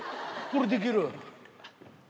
これできる？